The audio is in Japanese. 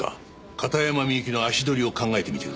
片山みゆきの足取りを考えてみてください。